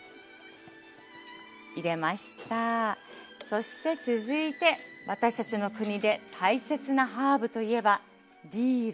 そして続いて私たちの国で大切なハーブといえばディル。